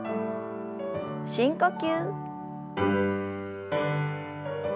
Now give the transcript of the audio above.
深呼吸。